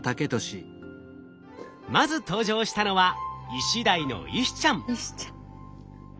まず登場したのはイシちゃん。